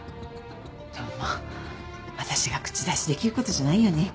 でもまあ私が口出しできることじゃないよね。